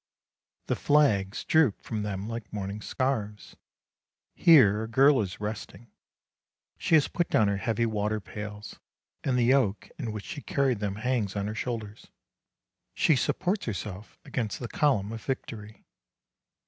The flags droop from them like mourning scarves. Here a girl is resting; she has put down her heavy water pails, and the yoke in which she carried them hangs on her shoulders; she supports herself against the column of Victory.